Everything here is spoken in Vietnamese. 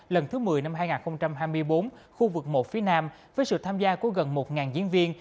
lần thứ một mươi năm hai nghìn hai mươi bốn khu vực một phía nam với sự tham gia của gần một diễn viên